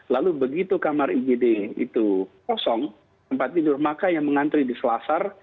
lalu begitu kamar igd itu kosong tempat tidur maka yang mengantri di selasar